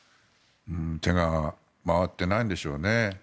手が回ってないんでしょうね。